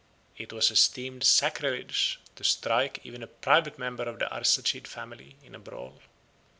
It was esteemed sacrilege to strike even a private member of the Arsacid family in a brawl.